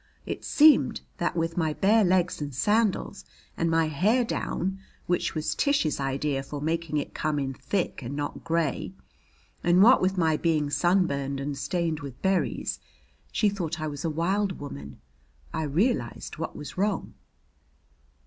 It seems that with my bare legs and sandals and my hair down, which was Tish's idea for making it come in thick and not gray, and what with my being sunburned and stained with berries, she thought I was a wild woman. I realized what was wrong.